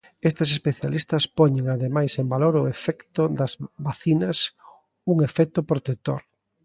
Estes especialistas poñen, ademais, en valor o efecto das vacinas, un efecto protector.